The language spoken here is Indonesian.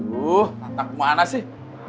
tuh tatang kemana sih